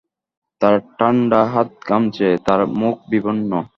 তার ঠাণ্ডা হাত ঘামছে, তার মুখ বিবর্ণ।